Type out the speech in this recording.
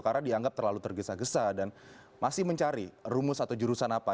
karena dianggap terlalu tergesa gesa dan masih mencari rumus atau jurusan apa